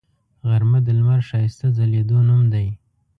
غرمه د لمر ښایسته ځلیدو نوم دی